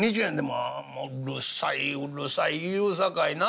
ああもううるさいうるさい言うさかいな。